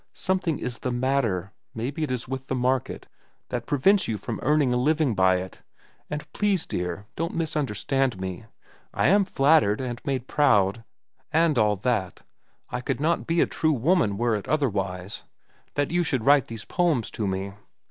Something is the matter—maybe it is with the market—that prevents you from earning a living by it. And please, dear, don't misunderstand me. I am flattered, and made proud, and all that—I could not be a true woman were it otherwise—that you should write these poems to me.